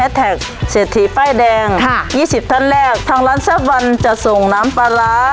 แฮทแท็กเศรษฐีป้ายแดงค่ะยี่สิบทั้งแรกทางร้านเซฟวันจะส่งน้ำปลาร้า